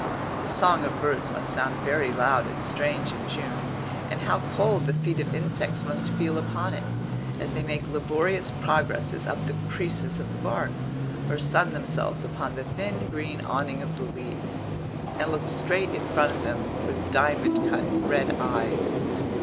The song of birds must sound very loud and strange in June; and how cold the feet of insects must feel upon it, as they make laborious progresses up the creases of the bark, or sun themselves upon the thin green awning of the leaves, and look straight in front of them with diamond cut red eyes....